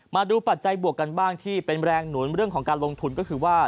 ปัจจัยบวกกันบ้างที่เป็นแรงหนุนเรื่องของการลงทุนก็คือว่า